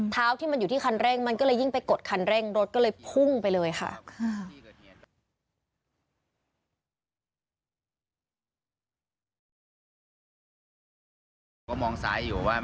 ที่มันอยู่ที่คันเร่งมันก็เลยยิ่งไปกดคันเร่งรถก็เลยพุ่งไปเลยค่ะ